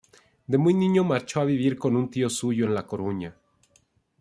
De muy niño marchó a vivir con un tío suyo en La Coruña.